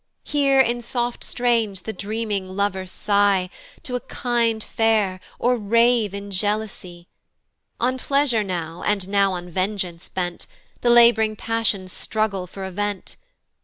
Hear in soft strains the dreaming lover sigh To a kind fair, or rave in jealousy; On pleasure now, and now on vengeance bent, The lab'ring passions struggle for a vent.